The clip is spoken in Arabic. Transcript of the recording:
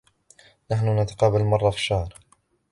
نحن نتقابل مرة في الشهر